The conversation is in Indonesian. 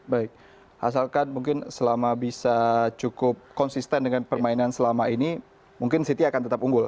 baik asalkan mungkin selama bisa cukup konsisten dengan permainan selama ini mungkin city akan tetap unggul